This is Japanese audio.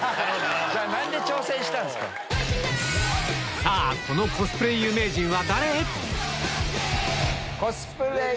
じゃあ何で挑戦したんすか⁉コスプレ有名人は。